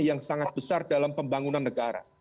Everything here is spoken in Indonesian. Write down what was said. yang sangat besar dalam pembangunan negara